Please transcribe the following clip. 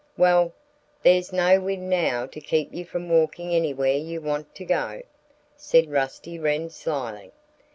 "Well, there's no wind now to keep you from walking anywhere you want to go," said Rusty Wren slyly.